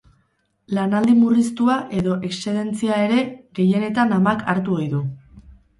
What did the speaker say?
Lanaldi murriztua edo exzedentzia ere gehienetan amak hartu ohi du.